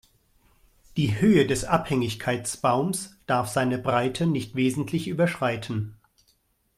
Die Höhe des Abhängigkeitsbaums darf seine Breite nicht wesentlich überschreiten.